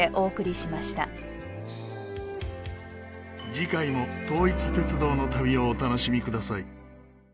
次回も統一鉄道の旅をお楽しみください。